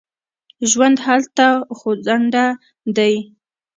ژوند هلته خوځنده دی.